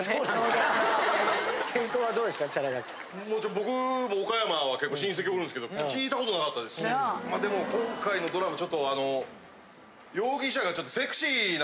僕も岡山は結構親戚おるんすけど聞いたことなかったですしまあでも今回のドラマちょっとあの容疑者がちょっとセクシーな。